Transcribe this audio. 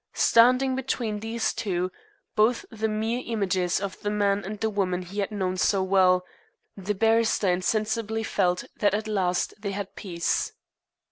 Standing between these two both the mere images of the man and the woman he had known so well the barrister insensibly felt that at last they had peace.